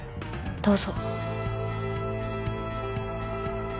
どうぞ。